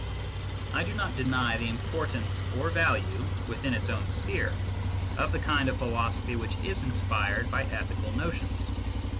I do not deny the importance or value, within its own sphere, of the kind of philosophy which is inspired by ethical notions.